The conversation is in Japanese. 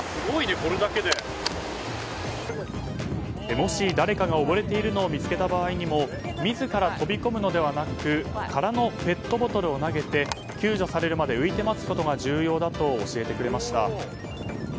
もし誰かが溺れているのを見つけた場合も自ら飛び込むのではなく空のペットボトルを投げて救助されるまで浮いて待つことが重要だと教えてくれました。